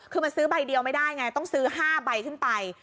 คือมันซื้อใบเดียวไม่ได้ไงต้องซื้อ๕ใบขึ้นไป